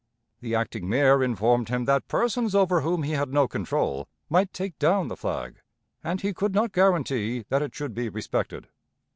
The acting Mayor informed him that persons over whom he had no control might take down the flag, and he could not guarantee that it should be respected.